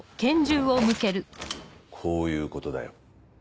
こういうことだよ。